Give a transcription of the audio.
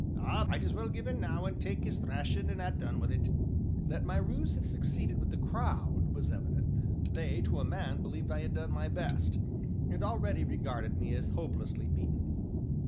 "Ah! might as well give in now, and take 'is thrashin' and ha' done wi' it." That my ruse had succeeded with the crowd was evident; they to a man believed I had done my best, and already regarded me as hopelessly beaten.